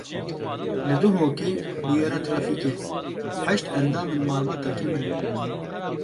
Li Duhokê bûyera trafîkê: heşt endamên malbatekê mirin.